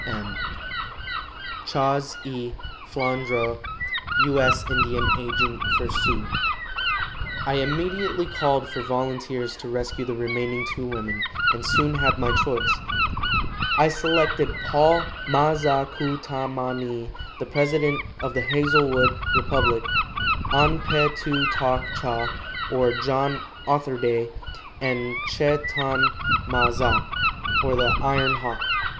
M. "CHAS. E. FLANDRAU, "U. S. Indian Agent for Sioux." I immediately called for volunteers to rescue the remaining two women, and soon had my choice. I selected Paul Ma za ku ta ma ni, the president of the Hazelwood Republic, An pe tu tok cha, or John Otherday, and Che tan ma za, or the Iron Hawk.